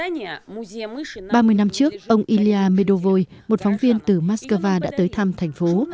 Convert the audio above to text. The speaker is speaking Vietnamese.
ba mươi năm trước ông ilya medovoy một phóng viên từ moscow đã tới thăm thành phố